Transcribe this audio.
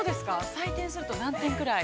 採点すると、何点ぐらい。